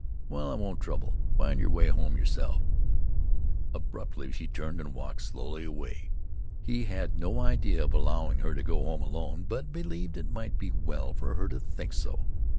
"Well, I won't trouble. Find your way home yourself." Abruptly he turned and walked slowly away. He had no idea of allowing her to go home alone; but believed it might be well for her to think so.